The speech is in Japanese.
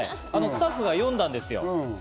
スタッフが読んだんですよ。